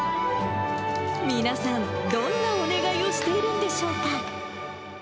皆さん、どんなお願いをしているんでしょうか。